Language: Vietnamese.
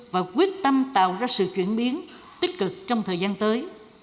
và quyết tâm tạo ra sự chuyển biến tích cực trong thời gian tới